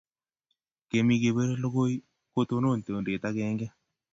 Keme kepire lokoi, kotonon tondet agenge